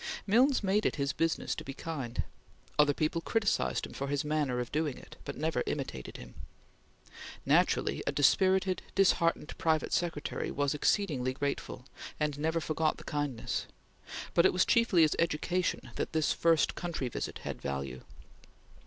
Milnes made it his business to be kind. Other people criticised him for his manner of doing it, but never imitated him. Naturally, a dispirited, disheartened private secretary was exceedingly grateful, and never forgot the kindness, but it was chiefly as education that this first country visit had value.